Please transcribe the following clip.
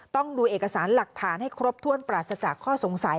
ต้องดูเอกสารหลักฐานให้ครบถ้วนปราศจากข้อสงสัย